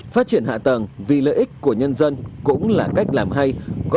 phát triển hạ tầng vì lợi ích của nhân dân cũng là cách làm hay